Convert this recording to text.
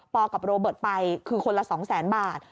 ปอกับโรเบิศไปคือคนละ๒๐๐๐๐๐บาท